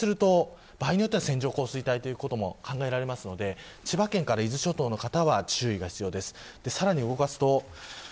これが停滞すると場合によっては線状降水帯ということも考えられますので千葉県から伊豆諸島の方は注意が必要です。